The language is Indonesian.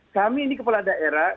kami ini kepala daerah